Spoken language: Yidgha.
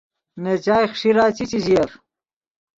نے چائے خݰیرا چی، چے ژییف